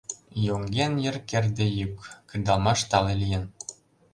Йоҥген йыр керде йӱк, кредалмаш Тале лийын.